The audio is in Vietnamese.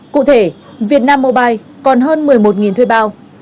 cụ thể việt nam mobile còn hơn một mươi một thuê bao